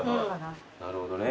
なるほどね。